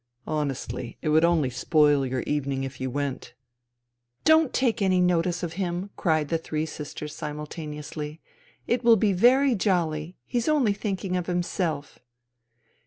Honestly, it would only spoil your evening if you went." " Don't take any notice of him," cried the three sisters simultaneously. " It will be very jolly. He's only thinking of himself."